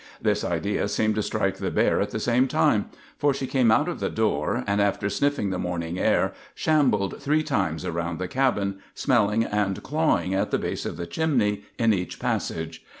This idea seemed to strike the bear at the same time, for she came out of the door, and, after sniffing the morning air, shambled three times around the cabin, smelling and clawing at the base of the chimney in each passage.